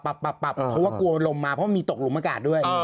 เพราะว่ากลัวลมมาเพราะมีตกหลุมอากาศด้วย